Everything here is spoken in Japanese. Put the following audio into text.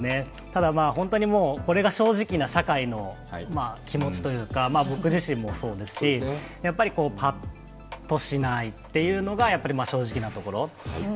ただ、本当にこれが正直な社会の気持ちというか僕自身もそうですし、ぱっとしないというのが正直なところ。